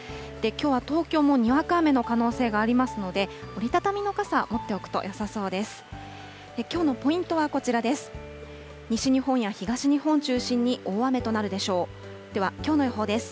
きょうは東京もにわか雨の可能性がありますので、折り畳みの傘、持っておくとよさそうです。